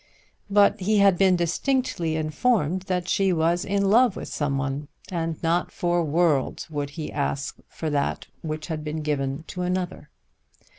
But he had been distinctly informed that she was in love with some one, and not for worlds would he ask for that which had been given to another.